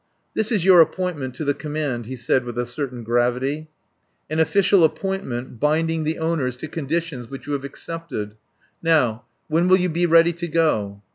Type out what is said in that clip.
"This is your appointment to the command," he said with a certain gravity. "An official appointment binding the owners to conditions which you have accepted. Now when will you be ready to go?"